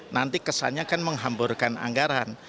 nanti kesannya kan menghamburkan anggaran